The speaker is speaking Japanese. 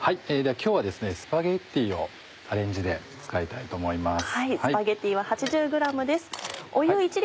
今日はスパゲティをアレンジで使いたいと思います。